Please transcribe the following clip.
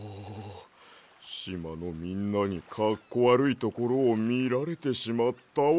しまのみんなにかっこわるいところをみられてしまったわ。